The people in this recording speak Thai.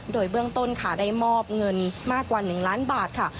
โดยเบื้องต้นค่ะได้มอบเงินมากกว่า๑ล้านบาทค่ะ